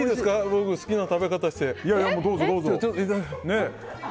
僕好きな食べ方して。